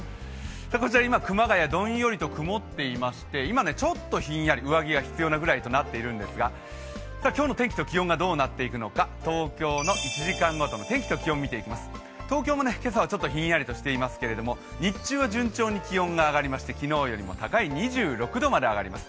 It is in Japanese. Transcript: こちら熊谷、どんよりと曇っていまして、ちょっとひんやり、上着が必要なくらいとなっているんですが、今日の天気と気温がどうなっていくのか、東京の１時間ごとの天気と気温を見ていきます、東京は今朝もちょっとひんやりとしていますが日中は順調に気温が上がりまして昨日よりも高い２６度まで上がります。